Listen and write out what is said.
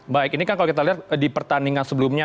baik ini kan kalau kita lihat di pertandingan sebelumnya